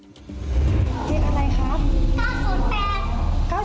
เด็กอะไรครับ